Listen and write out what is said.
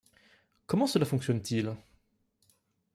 Comment cela fonctionne-t-il ?